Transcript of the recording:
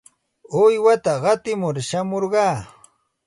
Uywata qatimur shamurqaa.